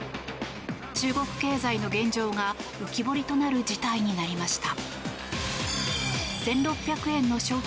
中国経済の現状が浮き彫りとなる事態となりました。